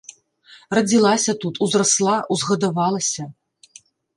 Радзілася тут, узрасла, узгадавалася.